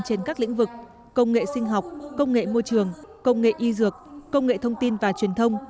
trên các lĩnh vực công nghệ sinh học công nghệ môi trường công nghệ y dược công nghệ thông tin và truyền thông